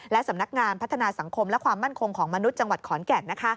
และสำนักงานพัฒนาสังคมและความมั่นคงของมนุษย์จังหวัดขอนแก่น